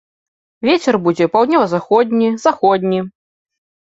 Вецер будзе паўднёва-заходні, заходні.